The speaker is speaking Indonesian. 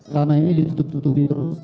karena ini ditutup tutup